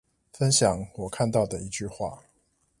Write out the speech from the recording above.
分享我看到的一句話